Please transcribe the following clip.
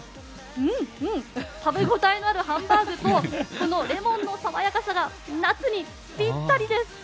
食べ応えのあるハンバーグとレモンの爽やかさが夏にぴったりです。